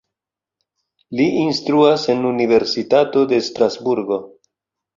Li instruas en Universitato de Strasburgo.